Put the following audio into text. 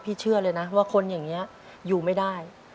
เชื่อเลยนะว่าคนอย่างนี้อยู่ไม่ได้